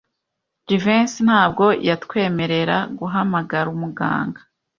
Jivency ntabwo yatwemerera guhamagara umuganga.